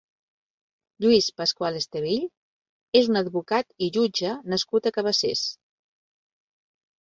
Lluís Pascual Estevill és un advocat i jutge nascut a Cabassers.